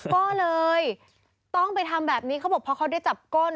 ก็เลยต้องไปทำแบบนี้เขาบอกพอเขาได้จับก้น